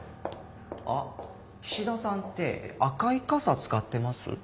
あっ菱田さんって赤い傘使ってます？